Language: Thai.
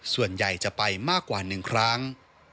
ส่วนใหญ่จะไปมากกว่า๑ครั้ง